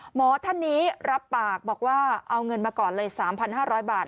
หมอท่านนี้รับปากบอกว่าเอาเงินมาก่อนเลย๓๕๐๐บาท